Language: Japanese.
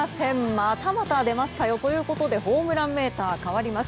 またまた出ましたよ。ということでホームランメーター変わります。